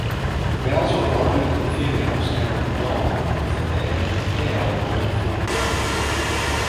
Males are larger than females and are long, with an tail when full-grown.